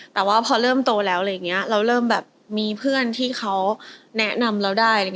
แต่ว่าพอเริ่มโตแล้วเริ่มมีเพื่อนที่เขาแนะนำเราได้